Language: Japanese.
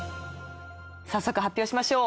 早速発表しましょう。